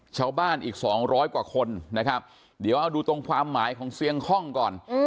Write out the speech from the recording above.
ชาวบ้านอีก๒๐๐กว่าคนนะครับเดี๋ยวเอาดูตรงความหมายของเสียงคล่องก่อน